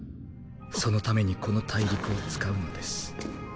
そのためにこの大陸を使うのです。